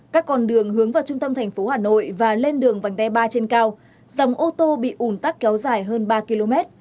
các con đường hướng vào trung tâm thành phố hà nội và lên đường vành đai ba trên cao dòng ô tô bị ủn tắc kéo dài hơn ba km